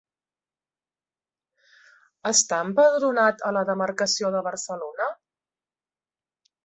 Està empadronat a la demarcació de Barcelona?